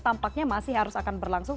tampaknya masih harus akan berlangsung